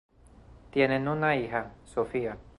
Tienen una hija, Sophia.